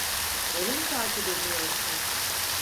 Beni mi takip ediyorsun?